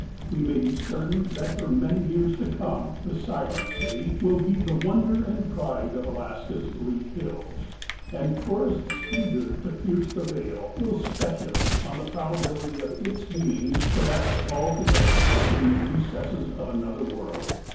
We may be certain that for many years to come the " Silent City " will be the " wonder and pride of Alaska's bleak hills," and tourists eager to " pierce the veil " will speculate on the probability of its being " perhaps altogether within the recesses of another world."